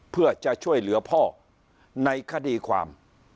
เพื่อจะช่วยเหลือพ่อในคดีความ